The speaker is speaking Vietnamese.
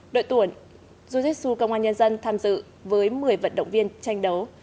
đội tuyển jiu jitsu công an nhân dân tham dự với một mươi vận động viên tranh đấu